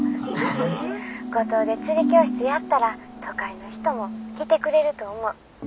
五島で釣り教室やったら都会の人も来てくれると思う。